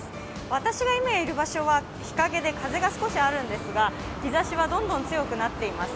私が今いる場所は日陰で風が少しあるんですが日ざしはどんどん強くなっています。